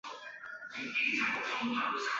戈拉日代。